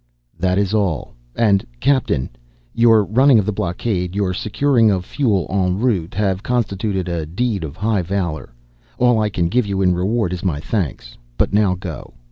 "That is all. And, Captain, your running of the blockade, your securing of fuel en route, have constituted a deed of high valor. All I can give you in reward is my thanks. But now go.